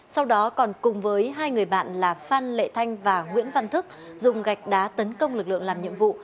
sau đó còn cùng với hai người bạn là phan lệ thanh và nguyễn văn thức dùng gạch đá tấn công lực lượng làm nhiệm vụ